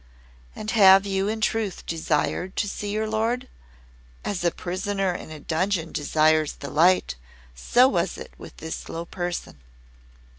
"And have you in truth desired to see your Lord?" "As a prisoner in a dungeon desires the light, so was it with this low person."